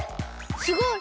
すごい！